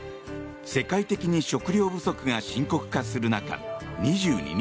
世界的に食糧不足が深刻化する中２２日